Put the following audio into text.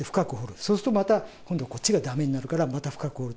そうするとまたこっちがだめになるから、また深く掘ると。